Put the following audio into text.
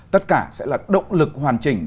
tất cả sẽ là động lực hoàn chỉnh